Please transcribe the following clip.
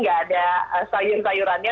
nggak ada sayur sayurannya